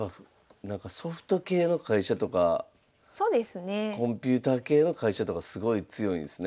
ソフト系の会社とかコンピューター系の会社とかすごい強いんですね。